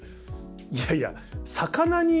いやいや魚に。